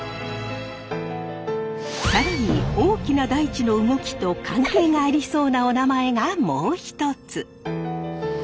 大きな大地の動きと関係がありそうなおなまえがもう一つ。